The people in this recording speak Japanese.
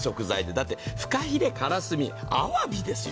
だってフカヒレ、カラスミ、鮑ですよ。